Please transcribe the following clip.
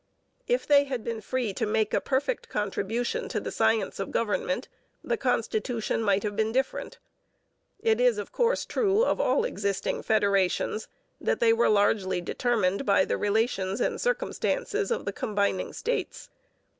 If they had been free to make a perfect contribution to the science of government, the constitution might have been different. It is, of course, true of all existing federations that they were determined largely by the relations and circumstances of the combining states.